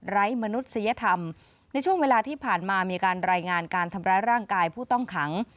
้มนุษยธรรมในช่วงเวลาที่ผ่านมามีการรายงานการทำร้ายร่างกายผู้ต้องขัง